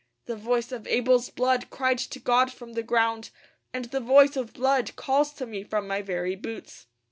The voice of Abel's blood cried to God from the ground; and the voice of blood calls to me from my very boots.